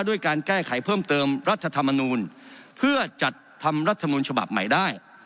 ด้วยการแก้ไขเพิ่มเติมรัฐธรรมนูลเพื่อจัดทำรัฐมนูลฉบับใหม่ได้